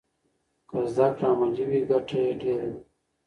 که زده کړه عملي وي ګټه یې ډېره ده.